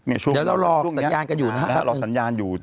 แล้วเรารอกสัญญาณก็อยู่เรารอกสัญญาณอยู่